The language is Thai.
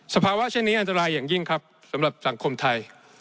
ภาวะเช่นนี้อันตรายอย่างยิ่งครับสำหรับสังคมไทย